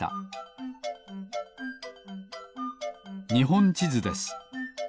にほんちずです。